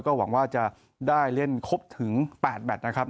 ก็หวังว่าจะได้เล่นครบถึง๘แมทนะครับ